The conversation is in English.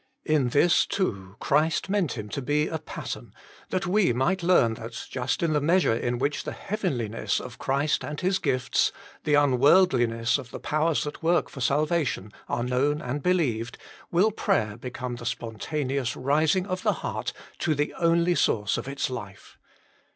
In this, too, Christ meant him to be a pattern, that we might learn that, just in the measure in which the heavenliness of Christ and His gifts, the unworldliness of the powers that work for salvation, are known and believed, will prayer become the spontaneous rising of the heart to the only source of its life.